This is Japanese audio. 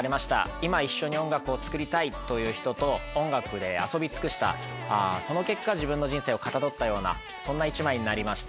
今一緒に音楽を作りたいという人と音楽で遊び尽くしたその結果自分の人生をかたどったようなそんな一枚になりました